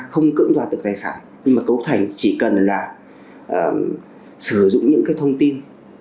không cứng đoạt được tài sản nhưng mà cấu thành chỉ cần là sử dụng những thông tin